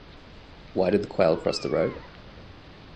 Why did the quail cross the road?